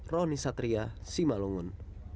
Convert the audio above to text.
roni satria simalungun